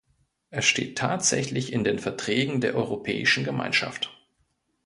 Es steht tatsächlich in den Verträgen der Europäischen Gemeinschaft.